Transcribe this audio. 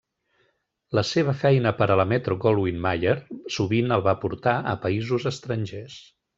La seva feina per a la Metro-Goldwyn-Mayer sovint el va portar a països estrangers.